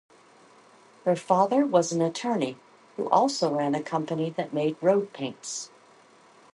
Her father was an attorney who also ran a company that made road paints.